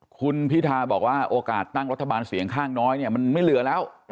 คุณพิธาบอกว่าโอกาสตั้งรัฐบาลเสียงข้างน้อยเนี่ยมันไม่เหลือแล้ว